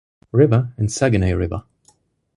River And Saguenay River.